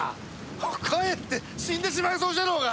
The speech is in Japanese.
かえって死んでしまいそうじゃろうが！